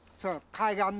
海岸の。